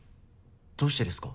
どうしてですか？